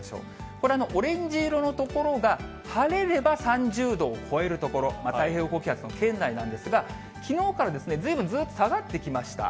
これ、オレンジ色の所が晴れれば３０度を超える所、太平洋高気圧の圏内なんですが、きのうからずいぶんずっと下がってきました。